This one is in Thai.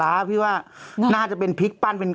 อ่าเพราะว่ามันแค่แค่เจอแบบนี้อ่ะเราก็ร้านทุกร้านอ่ะ